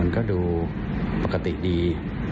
ก็ดูปกติดี